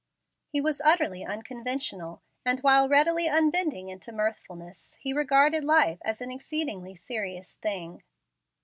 He was utterly unconventional, and while readily unbending into mirthfulness, he regarded life as an exceedingly serious thing.